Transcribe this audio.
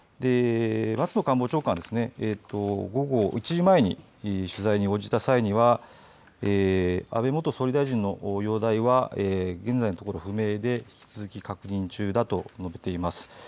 松野官房長官は午後１時前に取材に応じた際には安倍元総理大臣の容体は現在のところ不明で引き続き確認中だと述べています。